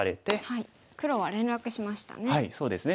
黒は連絡しましたね。